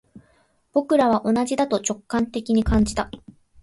僕らは同じだと直感的に感じた